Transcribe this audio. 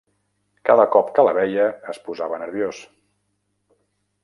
Cada cop que la veia, es posava nerviós.